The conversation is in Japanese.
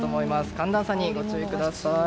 寒暖差にご注意ください。